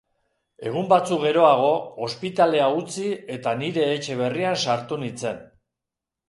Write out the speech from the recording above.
Egun batzuk geroago ospitalea utzi eta nire etxe berrian sartu nintzen.